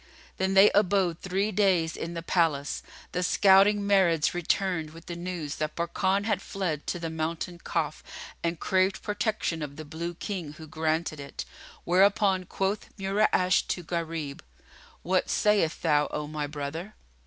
Then they abode three days in the palace, till the scouting Marids returned with the news that Barkan had fled to the Mountain Kaf and craved protection of the Blue King who granted it; whereupon quoth Mura'ash to Gharib, "What sayest thou, O my brother?"